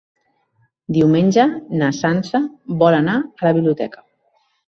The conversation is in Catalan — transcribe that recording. Diumenge na Sança vol anar a la biblioteca.